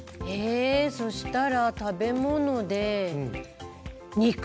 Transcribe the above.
えそしたら「食べ物」で「肉」。